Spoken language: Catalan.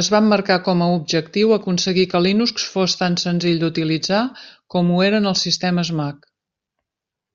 Es van marcar com a objectiu aconseguir que Linux fos tan senzill d'utilitzar com ho eren els sistemes Mac.